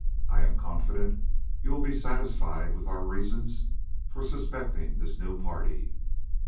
I am confident you will be satisfied with our reasons for suspecting this new party."